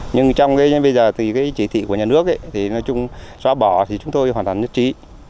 nhưng trong bây giờ chỉ thị của nhà nước xóa bỏ thì chúng tôi hoàn toàn nhất trí